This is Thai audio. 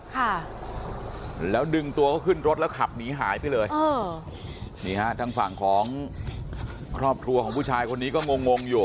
ค่ะแล้วดึงตัวเขาขึ้นรถแล้วขับหนีหายไปเลยเออนี่ฮะทางฝั่งของครอบครัวของผู้ชายคนนี้ก็งงงงอยู่